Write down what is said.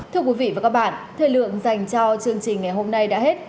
thưa quý vị và các bạn thời lượng dành cho chương trình ngày hôm nay đã hết